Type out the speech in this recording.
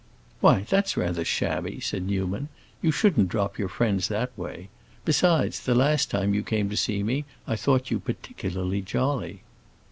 "Why, that's rather shabby," said Newman. "You shouldn't drop your friends that way. Besides, the last time you came to see me I thought you particularly jolly."